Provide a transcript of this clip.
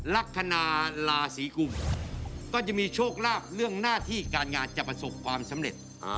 ลักษณะลาศรีกุมก็จะมีโชคลาภเรื่องหน้าที่การงานจะประสบความสำเร็จ